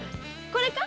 これか？